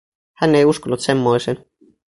Hän ei uskonut semmoiseen.